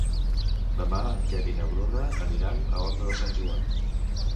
Demà en Quer i na Bruna aniran a Horta de Sant Joan.